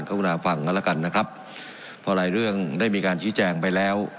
รุณาฟังกันแล้วกันนะครับเพราะหลายเรื่องได้มีการชี้แจงไปแล้ว